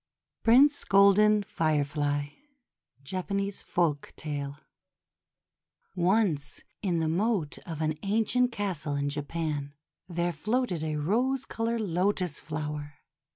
PRINCE GOLDEN FIREFLY Japanese Folktale ONCE in the moat of an ancient castle in Japan, there floated a rose colored Lotus Flower.